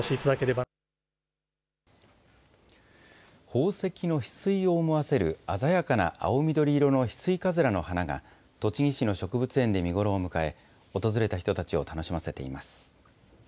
宝石のヒスイを思わせる、鮮やかな青緑色のヒスイカズラの花が、栃木市の植物園で見頃を迎え、訪れた人たちを楽しませています。